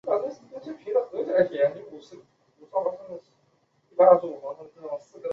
亦曾蒙市府评为艺术与人文特色学校。